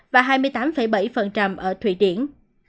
và hai mươi tám bảy ở thụy điển